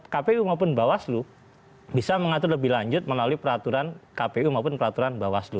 kpu maupun bawaslu bisa mengatur lebih lanjut melalui peraturan kpu maupun peraturan bawaslu